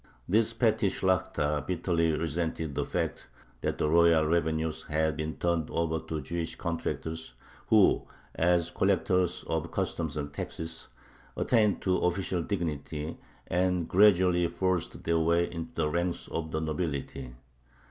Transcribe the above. This petty Shlakhta bitterly resented the fact that the royal revenues had been turned over to Jewish contractors, who, as collectors of customs and taxes, attained to official dignity, and gradually forced their way into the ranks of the nobility.